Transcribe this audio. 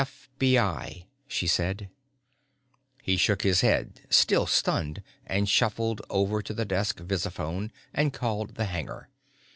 "FBI," she said. He shook his head, still stunned, and shuffled over to the desk visiphone and called the hangar.